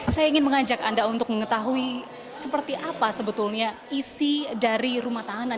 saya ingin mengajak anda untuk mengetahui seperti apa sebetulnya isi dari rumah tahanan